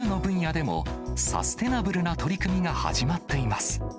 衣食住の住の分野でも、サステナブルな取り組みが始まっています。